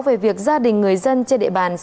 về việc gia đình người dân trên địa bàn an phú